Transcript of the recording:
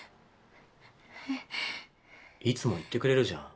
いつも言ってくれるじゃん。